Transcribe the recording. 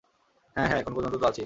হ্যাঁ হ্যাঁ, এখন পর্যন্ত তো আছি।